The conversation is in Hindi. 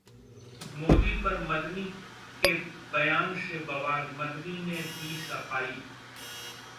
मोदी पर मदनी के बयान से बवाल, मदनी ने दी सफाई